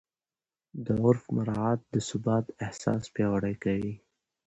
د عرف مراعات د ثبات احساس پیاوړی کوي.